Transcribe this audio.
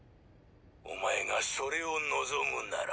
おまえがそれを望むなら。